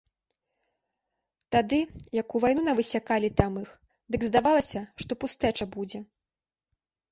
Тады, як у вайну навысякалі там іх, дык здавалася, што пустэча будзе.